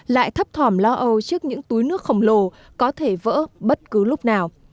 lại thấp thỏm lo âu trước những túi nước khổng lồ có thể vỡ bất cứ lúc nào